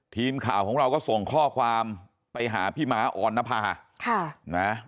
ทีมข่าวของเราก็ส่งข้อความไปหาพี่ม้าออนนภาค่ะนะ